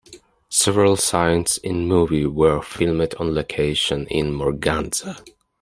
Several scenes in the movie were filmed on location in Morganza.